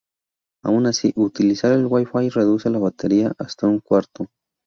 Aun así, utilizar el WiFi reduce la batería hasta un cuarto.